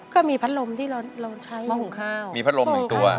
ก็มีพัดลมที่เราใช้ห้อหุงข้าวมีพัดลมหนึ่งตัว